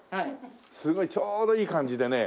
すごいちょうどいい感じでね。